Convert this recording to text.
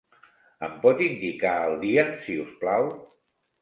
Em pot indicar el dia, si us plau?